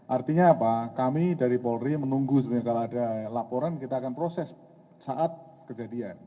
artinya apa kami dari polri menunggu sebenarnya kalau ada laporan kita akan proses saat kejadian